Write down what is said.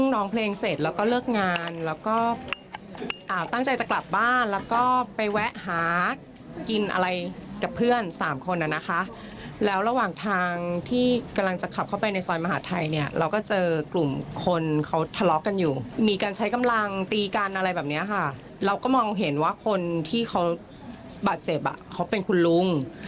เราก็มองเห็นว่าคนที่เขาบาดเจ็บเขาเป็นคุณลุง